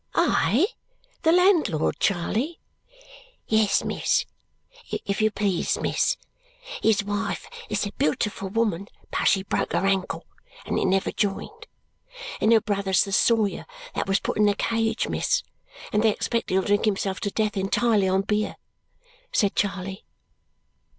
"Aye? The landlord, Charley?" "Yes, miss. If you please, miss, his wife is a beautiful woman, but she broke her ankle, and it never joined. And her brother's the sawyer that was put in the cage, miss, and they expect he'll drink himself to death entirely on beer," said Charley.